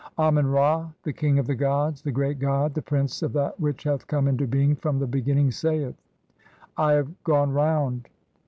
Amen Ra, the king of the gods, the great god, the prince of that which hath come into being from the beginning, saith :— "I have gone round